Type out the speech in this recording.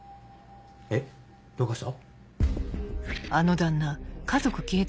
えっ？どうかした？